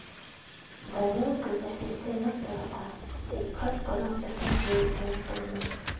Данил Гөлнәфисте ныҡ ярата, тик ҡыҙ бының ысын һөйөү икәнен белмәй.